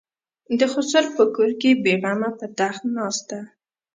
د خسر په کور کې بې غمه په تخت ناسته ده.